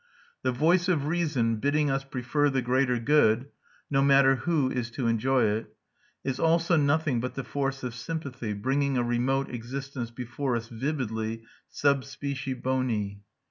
The voice of reason, bidding us prefer the greater good, no matter who is to enjoy it, is also nothing but the force of sympathy, bringing a remote existence before us vividly sub specie boni.